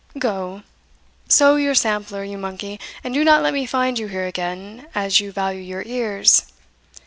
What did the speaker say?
"Go, sew your sampler, you monkey, and do not let me find you here again, as you value your ears.